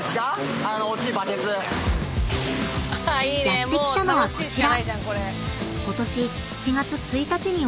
［やって来たのはこちら］